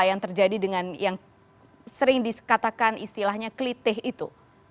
yang terjadi dengan yang sering dikatakan istilahnya kelitih itu